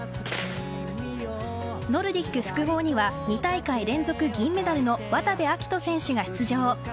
ノルディック複合には２大会連続銀メダルの渡部暁斗選手が出場。